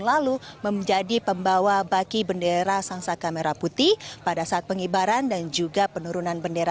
lalu menjadi pembawa baki bendera sangsaka merah putih pada saat pengibaran dan juga penurunan bendera